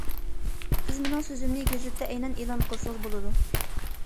سىز مېنىڭ سۆزۈمنى گېزىتتە ئەينەن ئېلان قىلسىڭىز بولىدۇ.